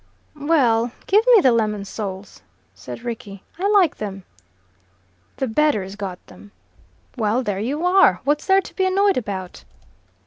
"Well, give me the lemon soles," said Rickie. "I like them." "The bedder's got them." "Well, there you are! What's there to be annoyed about?"